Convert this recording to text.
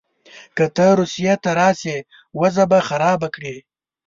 که ته روسیې ته راسې وضع به خرابه کړې.